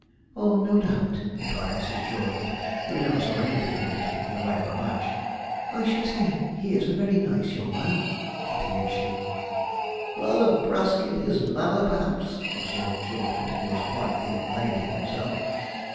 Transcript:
'Oh, no doubt,' replied Mrs. Jawleyford, who never saw any difficulty in the way of a match; 'I should say he is a very nice young man,' continued she. 'Rather brusque in his manner, perhaps,' observed Jawleyford, who was quite the 'lady' himself.